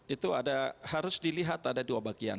itu ada harus dilihat ada dua bagian